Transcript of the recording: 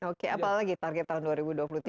oke apalagi target tahun dua ribu dua puluh tiga